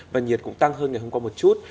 và nhiệt cũng tăng hơn ngày hôm qua một chút